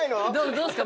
どうですか？